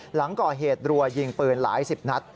หลังก่อเหตุรัวยิงปืนหลายสิบนัด